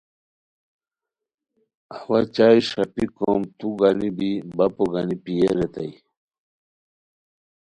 اوا چائے ݰاپیک کوم تو گانی بی بپو گانی پیے ریتائے